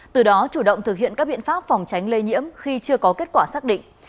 từ đó chủ động thực hiện các biện pháp phòng tránh lây nhiễm khi chưa có kết quả xác định